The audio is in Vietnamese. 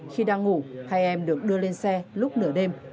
khi đang ngủ hai em được đưa lên xe lúc nửa đêm